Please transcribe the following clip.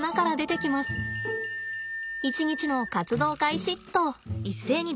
一日の活動開始と。